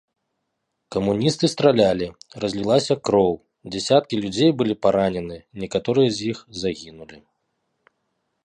Камуністы стралялі, разлілася кроў, дзясяткі людзей былі паранены, некаторыя з іх загінулі.